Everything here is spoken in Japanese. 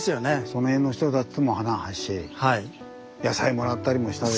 その辺の人たちとも話し野菜もらったりもしたでしょうし。